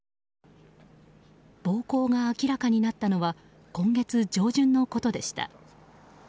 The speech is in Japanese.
暴行が明らかになったのは今月上旬のことでした。